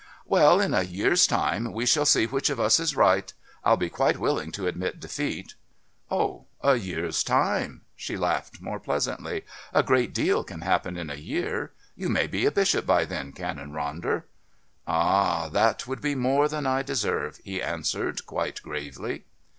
"Well, in a year's time we shall see which of us is right. I'll be quite willing to admit defeat." "Oh, a year's time!" She laughed more pleasantly. "A great deal can happen in a year. You may be a bishop by then, Canon Ronder," "Ah, that would be more than I deserve," he answered quite gravely.